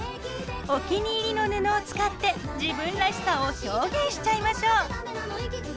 お気に入りの布を使って自分らしさを表現しちゃいましょう。